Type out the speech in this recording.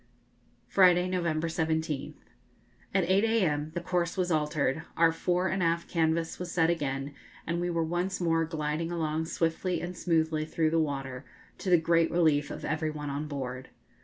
Friday, November 17th. At 8 a.m. the course was altered, our fore and aft canvas was set again, and we were once more gliding along swiftly and smoothly through the water, to the great relief of every one on board.